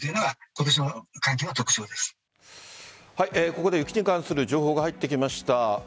ここで雪に関する情報が入ってきました。